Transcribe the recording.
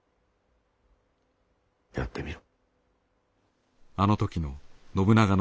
やってみろ。